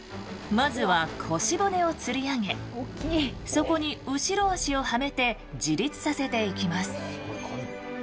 まずは腰骨をつり上げそこに後ろ足をはめて自立させていきます。